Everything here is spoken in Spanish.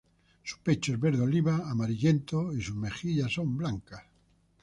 Su pecho es verde oliva-amarillento y sus mejillas son blancas.